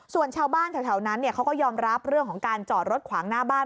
ส่วนชาวบ้านแถวนั้นเขาก็ยอมรับเรื่องของการจอดรถขวางหน้าบ้าน